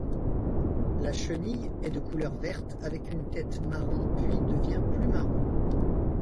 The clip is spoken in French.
La chenille est de couleur verte avec une tête marron puis devient plus marron.